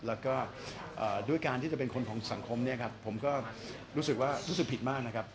แล้วก็ด้วยการที่จะเป็นคนของสังคมเนี่ยครับผมก็รู้สึกว่ารู้สึกผิดมากนะครับ